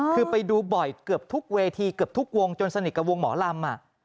คือไปดูบ่อยเกือบทุกเวทีเกือบทุกวงจนสนิทกับวงหมอลำ